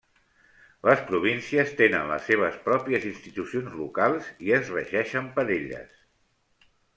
Les províncies tenen les seves pròpies institucions locals i es regeixen per elles.